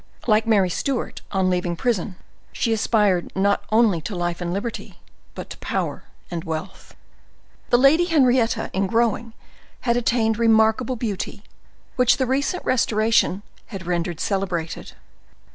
Like Mary Stuart on leaving prison, she aspired not only to life and liberty, but to power and wealth. The Lady Henrietta, in growing, had attained remarkable beauty, which the recent restoration had rendered celebrated.